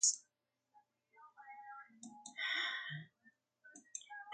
They tend to frequent the ground and low shrubbery in forested areas.